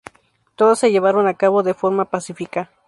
Todas se llevaron a cabo de forma pacífica.